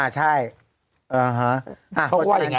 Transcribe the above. ใช่เออฮะ